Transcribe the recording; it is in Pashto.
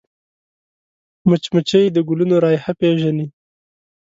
مچمچۍ د ګلونو رایحه پېژني